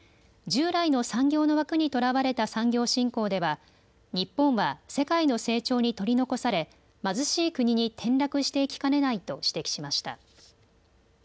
従来の産業の枠にとらわれた産業振興では日本は世界の成長に取り残され貧しい国に転落していきかねないと指摘しました。